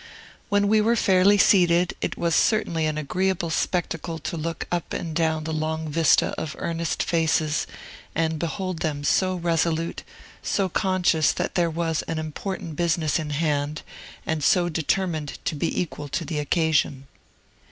When we were fairly seated, it was certainly an agreeable spectacle to look up and down the long vista of earnest faces, and behold them so resolute, so conscious that there was an important business in hand, and so determined to be equal to the occasion.